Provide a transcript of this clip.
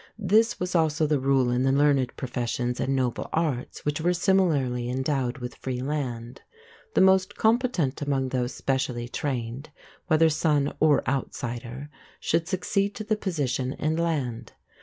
This was also the rule in the learned professions and "noble" arts, which were similarly endowed with free land. The most competent among those specially trained, whether son or outsider, should succeed to the position and land.